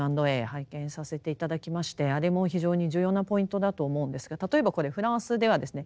拝見させて頂きましてあれも非常に重要なポイントだと思うんですが例えばこれフランスではですね